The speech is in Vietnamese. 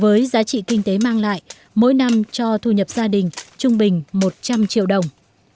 với giá trị kinh tế mang lại mỗi năm cho thu nhập gia đình trung bình một trăm linh triệu đồng